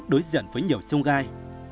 đối diện với nhiều chung gai